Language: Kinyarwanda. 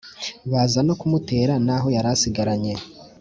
baza no kumutera n’aho yari asigaranye.